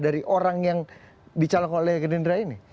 dari orang yang dicalok oleh gerindra ini